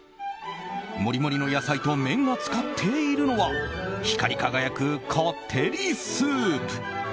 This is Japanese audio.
モリモリの野菜と麺が浸かっているのは光り輝くこってりスープ。